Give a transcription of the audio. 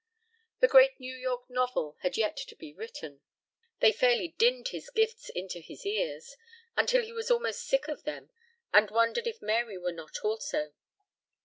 The great New York novel had yet to be written. They fairly dinned his gifts into his ears, until he was almost sick of them, and wondered if Mary were not also.